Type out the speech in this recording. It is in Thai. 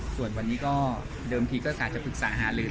ส่วนวันนี้ก็เดิมทีก็อาจจะปรึกษาหาลือ